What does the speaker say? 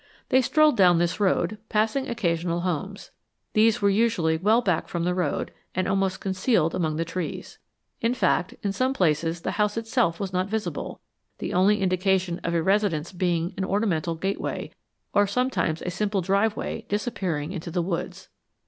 They strolled down this road, passing occasional homes. These were usually well back from the road and almost concealed among the trees. In fact, in some places the house itself was not visible, the only indication of a residence being an ornamental gateway, or sometimes just a simple driveway disappearing into the woods.